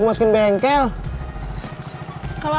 pergi cepet banget malem kita